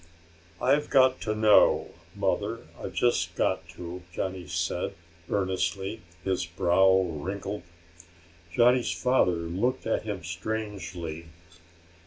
"I've got to know, Mother. I've just got to," Johnny said earnestly, his brow wrinkled. Johnny's father looked at him strangely.